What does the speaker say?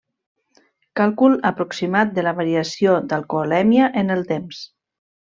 Càlcul aproximat de la variació d'alcoholèmia en el temps.